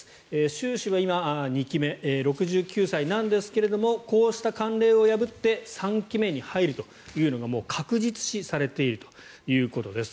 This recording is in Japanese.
習氏は今、２期目６９歳なんですけれどもこうした慣例を破って３期に入るというのが確実視されているということです。